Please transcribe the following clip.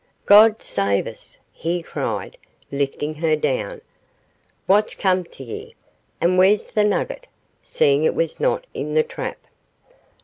'God save us!' he cried, lifting her down; 'what's come t' ye, and where's the nugget?' seeing it was not in the trap.